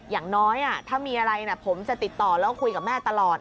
อย่างน้อยถ้ามีอะไรผมจะติดต่อแล้วก็คุยกับแม่ตลอด